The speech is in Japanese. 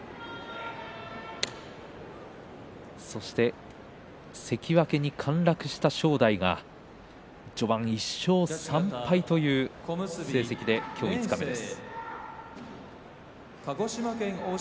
そして、関脇に陥落した正代が序盤１勝３敗という成績で今日五日目です。